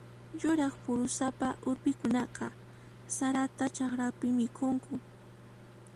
Yuraq phurusapa urpikunaqa sarata chakrapi mikhunku.